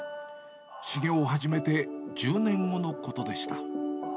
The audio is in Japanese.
修業を始めて１０年後のことでした。